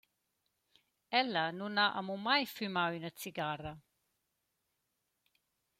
Ella nun ha amo mai fümà üna cigara.